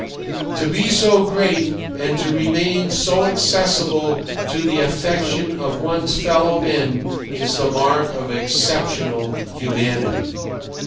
To be so great and to remain so accessible to the affection of one's fellow men is the mark of exceptional humanity.